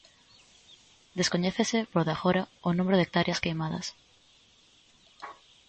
Descoñécese, polo de agora, o número de hectáreas queimadas.